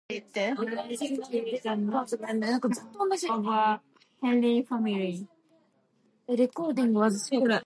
Many of Shen Kuo's contemporaries were interested in antiquarian pursuits of collecting old artworks.